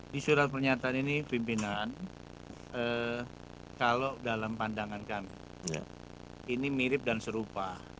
di surat pernyataan ini pimpinan kalau dalam pandangan kami ini mirip dan serupa